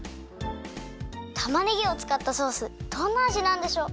たまねぎをつかったソースどんなあじなんでしょう？